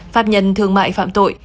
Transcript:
pháp nhân thương mại phạm tội